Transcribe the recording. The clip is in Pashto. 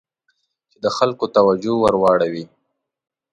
چې د خلکو توجه ور واړوي.